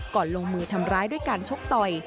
ลงมือทำร้ายด้วยการชกต่อย